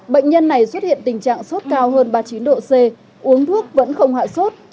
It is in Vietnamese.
bệnh nhân này xuất hiện tình trạng sốt cao hơn ba mươi chín độ c uống thuốc vẫn không hạ sốt